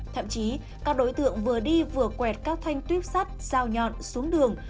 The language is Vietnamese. thậm chí các đối tượng vừa đi vừa quẹt các thanh tuyếp sắt dao nhọn xuống đường